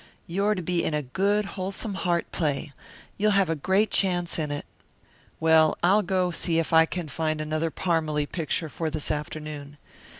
You're to be in a good, wholesome heart play. You'll have a great chance in it." "Well, I'll go see if I can find another Parmalee picture for this afternoon.